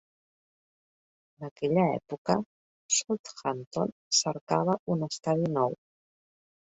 En aquella època, Southampton cercava un estadi nou.